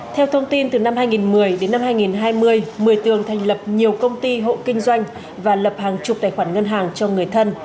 theo thông tin từ năm hai nghìn một mươi đến năm hai nghìn hai mươi mười tường thành lập nhiều công ty hộ kinh doanh và lập hàng chục tài khoản ngân hàng cho người thân